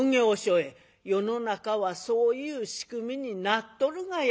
世の中はそういう仕組みになっとるがや。